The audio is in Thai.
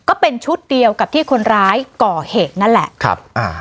ก็เป็นชุดเดียวกับที่คนร้ายก่อเหตุนั่นแหละครับอ่า